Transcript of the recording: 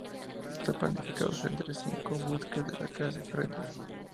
Están planificados otros cinco buques de la clase "Freedom".